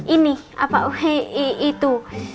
ini apa itu